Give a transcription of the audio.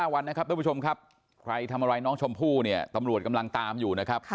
วันนะครับทุกผู้ชมครับใครทำอะไรน้องชมพู่เนี่ยตำรวจกำลังตามอยู่นะครับ